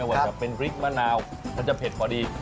ว่าจะเป็นพริกมะนาวมันจะเผ็ดพอดี